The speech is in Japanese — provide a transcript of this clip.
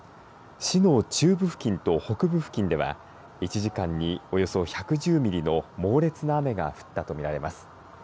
市の中部付近と北部付近では１時間におよそ１１０ミリの猛烈な雨が降ったと見られます。